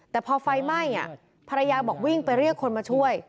แต่พอไฟไหม้ภรรยาบอกวิ่งไปเรียกคนมาช่วย